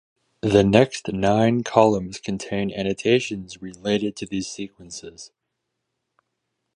The next nine columns contain annotations related to these sequences.